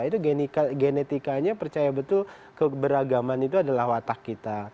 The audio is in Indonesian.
itu genetikanya percaya betul keberagaman itu adalah watak kita